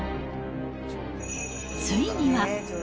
ついには。